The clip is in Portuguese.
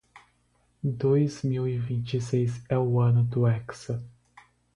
Dois mil e vinte seis é o ano do hexa.